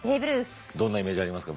どんなイメージありますか？